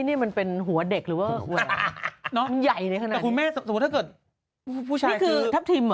นี่คือทัพทิมเหรอ